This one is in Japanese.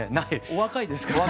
お若いですから。